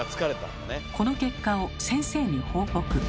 この結果を先生に報告。